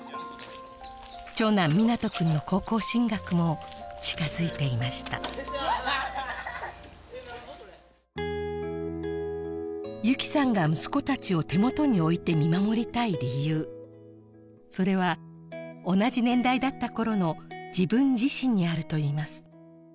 長男皆杜君の高校進学も近づいていました由起さんが息子たちを手元に置いて見守りたい理由それは同じ年代だったころの自分自身にあると言います